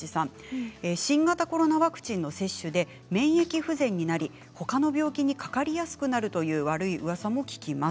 新型コロナワクチンの接種で免疫不全になりほかの病気にかかりやすくなるという悪いうわさも聞きます。